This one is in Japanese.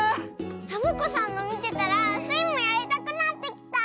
サボ子さんのみてたらスイもやりたくなってきた！